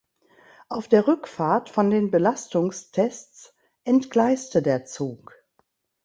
Auf der Rückfahrt von den Belastungstests entgleiste der Zug.